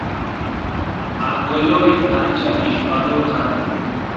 agueloy ancha ishpador kan